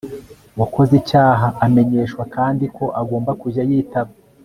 wakoze icyaha amenyeshwa kandi ko agomba kujya yitaba